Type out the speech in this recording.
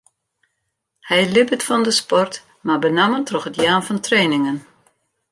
Hy libbet fan de sport, mar benammen troch it jaan fan trainingen.